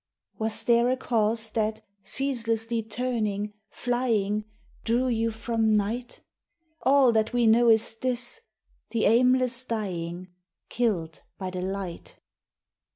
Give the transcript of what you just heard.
Was there a cause that, ceaselessly turning, flying, Drew you from night? All that we know is this the aimless dying, Killed by the light.